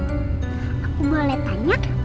aku boleh tanya